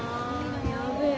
やべえ。